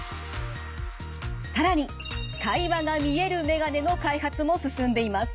更に会話が見える眼鏡の開発も進んでいます。